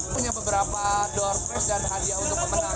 punya beberapa door price dan hadiah untuk pemenang